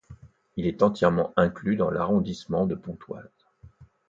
Il est entièrement inclus dans l'arrondissement de Pontoise.